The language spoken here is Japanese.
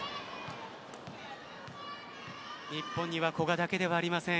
日本には古賀だけではありません。